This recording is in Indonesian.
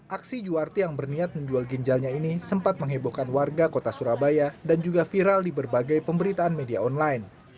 aksi juwarti yang berniat menjual ginjalnya ini sempat menghebohkan warga kota surabaya dan juga viral di berbagai pemberitaan media online